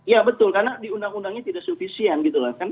ya betul karena di undang undangnya tidak suficien